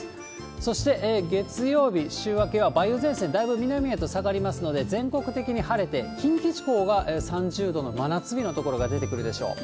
そして月曜日、週明けは梅雨前線、だいぶ南へと下がりますので、全国的に晴れて、近畿地方が３０度の真夏日の所が出てくるでしょう。